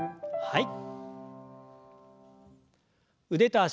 はい。